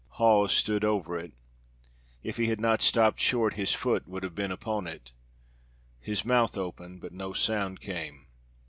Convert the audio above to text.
Hawes stood over it. If he had not stopped short his foot would have been upon it. His mouth opened but no sound came.